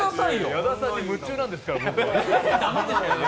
矢田さんに夢中なんですから。